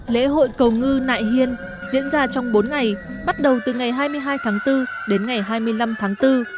lễ hội cầu ngư nại hiên diễn ra trong bốn ngày bắt đầu từ ngày hai mươi hai tháng bốn đến ngày hai mươi năm tháng bốn